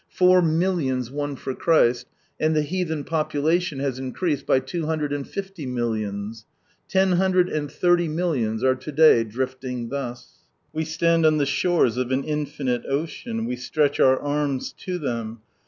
Four millions won for Christ, and the heathen population has increased by two hundred and fifty millions. Ten hundred and thirty millions are to day drifting thus. We stand on the shores of an infinite ocean, we stretch our arms to them.